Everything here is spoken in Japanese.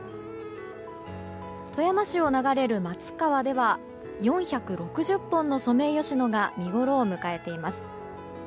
富山市を流れる松川では４６０本のソメイヨシノが見ごろを迎えています。